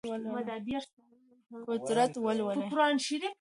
قدرت ولرئ.